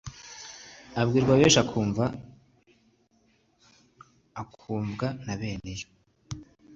Abwirwa benshi akumva (akwumvwa na) bene yo.